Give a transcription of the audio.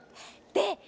で